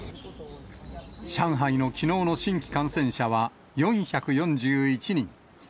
上海のきのうの新規感染者は４４１人。